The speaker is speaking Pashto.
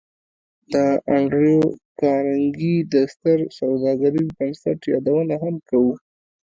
د انډریو کارنګي د ستر سوداګریز بنسټ یادونه هم کوو